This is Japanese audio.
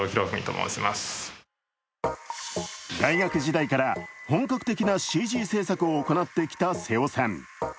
大学時代から本格的なＣＧ制作を行ってきた瀬尾さん。